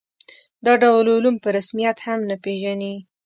دا ډول علوم په رسمیت هم نه پېژني.